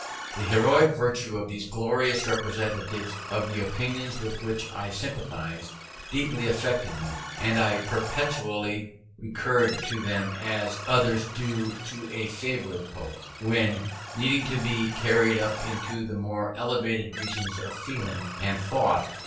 The heroic virtue of these glorious representatives of the opinions with which I sympathized, deeply affected me, and I perpetually recurred to them as others do to a favourite poet, when needing to be carried up into the more elevated regions of feeling and thought.